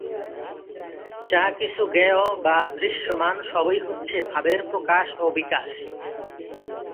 যা কিছু জ্ঞেয় বা দৃশ্যমান সবই হচ্ছে ভাবের প্রকাশ ও বিকাশ।